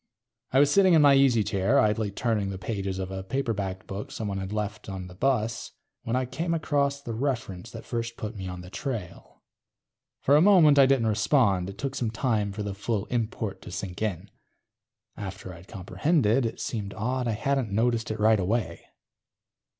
I was sitting in my easy chair, idly turning the pages of a paperbacked book someone had left on the bus, when I came across the reference that first put me on the trail. For a moment I didn't respond. It took some time for the full import to sink in. After I'd comprehended, it seemed odd I hadn't noticed it right away.